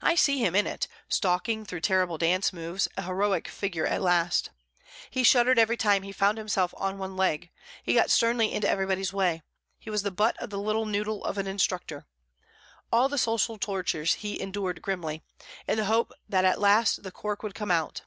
I see him in it, stalking through the terrible dances, a heroic figure at last. He shuddered every time he found himself on one leg; he got sternly into everybody's way; he was the butt of the little noodle of an instructor. All the social tortures he endured grimly, in the hope that at last the cork would come out.